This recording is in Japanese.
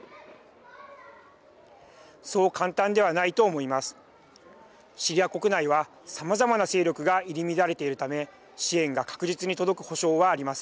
そう簡単ではないと思います。